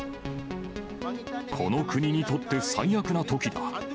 この国にとって最悪なときだ。